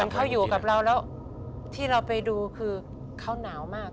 เขาอยู่กับเราแล้วที่เราไปดูคือเขาหนาวมาก